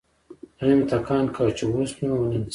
زړه مې ټکان کاوه چې اوس ومو نه نيسي.